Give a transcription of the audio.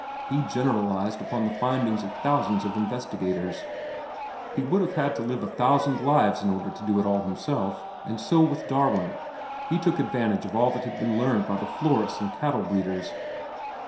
He generalized upon the findings of thousands of investigators. He would have had to live a thousand lives in order to do it all himself. And so with Darwin. He took advantage of all that had been learned by the florists and cattle breeders."